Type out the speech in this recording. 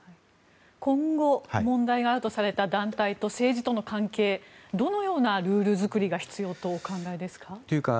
今後問題があるとされた団体と政治との関係どのようなルール作りが必要とお考えですか。